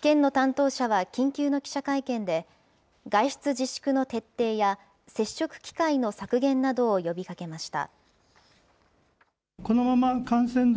県の担当者は緊急の記者会見で、外出自粛の徹底や、接触機会の削減などを呼びかけました。